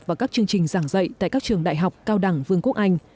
và các chương trình giảng dạy tại các trường đại học cao đẳng vương quốc anh